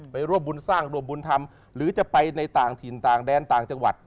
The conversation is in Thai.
ไปร่วมบุญสร้างร่วมบุญธรรมหรือจะไปในต่างถิ่นต่างแดนต่างจังหวัด